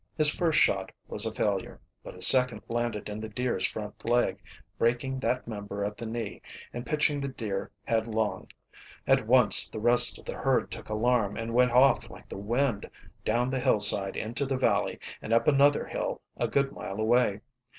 His first shot was a failure, but his second landed in the deer's front leg, breaking that member at the knee and pitching the deer headlong. At once the rest of the herd took alarm, and went off like the wind, down the hillside into the valley and up another hill a good mile away.